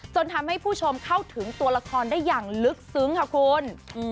จนทำให้ผู้ชมเข้าถึงตัวละครได้อย่างลึกซึ้งค่ะคุณ